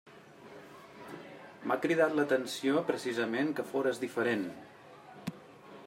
M'ha cridat l'atenció, precisament, que fores diferent.